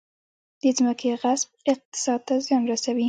د ځمکې غصب اقتصاد ته زیان رسوي